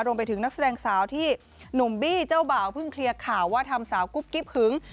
นักแสดงสาวที่หนุ่มบี้เจ้าบ่าวเพิ่งเคลียร์ข่าวว่าทำสาวกุ๊บกิ๊บหึง